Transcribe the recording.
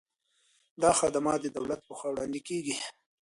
دا خدمات د دولت له خوا وړاندې کیږي.